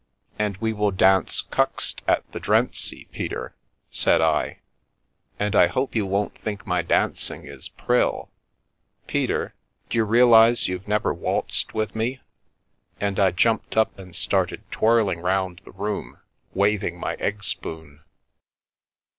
And we will dance cuxt at the drency, Peter," said I, " and I hope you won't think my dancing is prill. Peter, d'you realise you've never waltzed with me?" And I jumped up and started twirling round the room, waving my egg spoon.